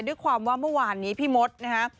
ด้วยความว่าเมื่อวานนี้พี่มดนะฮะ